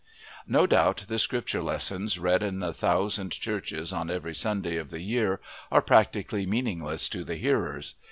No doubt the Scripture lessons read in the thousand churches on every Sunday of the year are practically meaningless to the hearers.